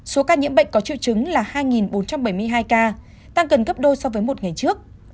số ca nhiễm bệnh có triệu chứng là hai bốn trăm bảy mươi hai ca tăng gần gấp đôi so với một ngày trước